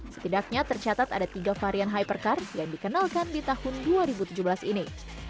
setidaknya tercatat ada tiga varian hypercard yang dikenalkan di tahun dua ribu tujuh belas ini